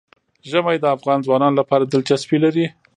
ژمی د افغان ځوانانو لپاره دلچسپي لري.